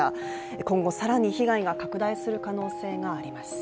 今後更に被害が拡大する可能性があります。